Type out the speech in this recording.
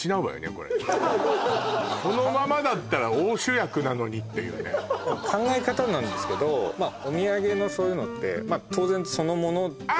これこのままだったら大主役なのにっていうね考え方なんですけどまあお土産のそういうのってまあ当然そのものあ